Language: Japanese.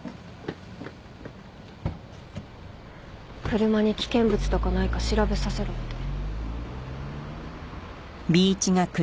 車に危険物とかないか調べさせろって。